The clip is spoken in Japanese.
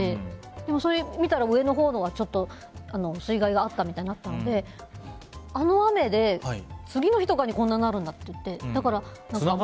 でも、それを見たら上のほうが水害があったみたいになってたのであの雨で次の日とかにこんなになるんだって。